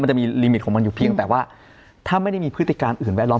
มันจะมีลิมิตของมันอยู่เพียงแต่ว่าถ้าไม่ได้มีพฤติการอื่นแวดล้อม